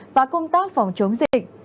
và công tác phòng chống dịch